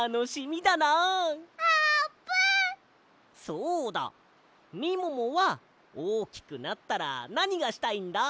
そうだみももはおおきくなったらなにがしたいんだ？